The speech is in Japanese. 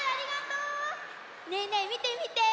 ねえねえみてみて！